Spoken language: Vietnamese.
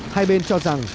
ba hai bên cho rằng